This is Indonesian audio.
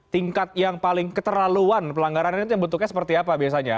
tingkat yang paling keterlaluan pelanggaran ini yang bentuknya seperti apa biasanya